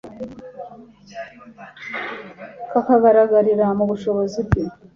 kakagaragarira mu bushobozi bwe